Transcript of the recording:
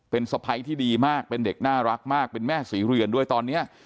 เป็นสะพ้ายที่ดีมากเป็นเด็กน่ารักมากเป็นแม่ศรีเรือนด้วยตอนนี้